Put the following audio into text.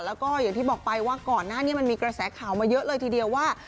แล้วก็อย่างที่บอกไปว่าก่อนหน้านี้มันมีกระแสข่าวมาเยอะเลยทีเดียวว่า